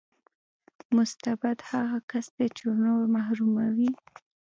مستبد هغه کس دی چې نور محروموي.